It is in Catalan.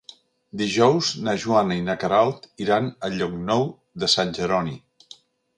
Dijous na Joana i na Queralt iran a Llocnou de Sant Jeroni.